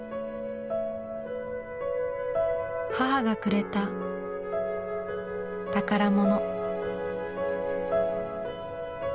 母がくれた宝物。